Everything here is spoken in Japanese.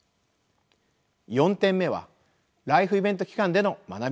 ４点目はライフイベント期間での学び直しです。